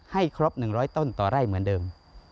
ครบ๑๐๐ต้นต่อไร่เหมือนเดิม